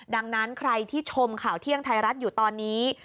ดังนั้นใครที่ชมข่าวเที่ยงไทยรัฐอยู่ตอนนี้